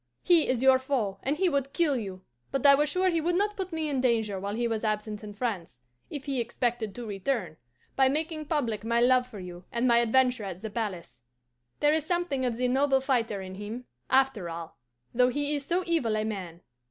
He is your foe, and he would kill you; but I was sure he would not put me in danger while he was absent in France if he expected to return by making public my love for you and my adventure at the palace. There is something of the noble fighter in him, after all, though he is so evil a man.